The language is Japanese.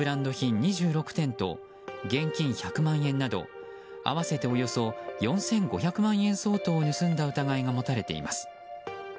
２６点と現金１００万円など、合わせておよそ４５００万円相当を盗んだ疑いが持たれています。